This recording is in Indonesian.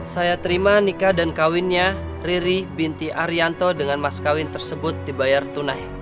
saya terima nikah dan kawinnya riri binti arianto dengan mas kawin tersebut dibayar tunai